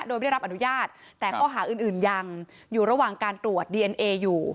โดยไม่ได้รับอนุญาตแต่ข้อหาอื่นยังอยู่ระหว่างการตรวจดีเอ็นเออยู่